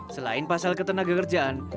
selain pasal ketenaga kerjaan